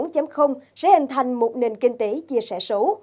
sẽ hình thành một nền kinh tế chia sẻ số